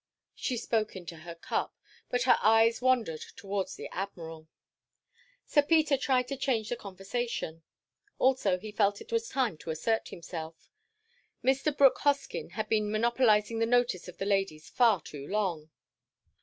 She spoke into her cup, but her eyes wandered towards the Admiral. Sir Peter tried to change the conversation. Also he felt it was time to assert himself. Mr. Brooke Hoskyn had been monopolising the notice of the ladies far too long.